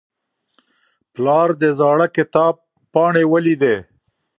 پلار د زاړه کتاب پاڼې ولیدې.